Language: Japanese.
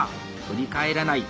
振り返らない！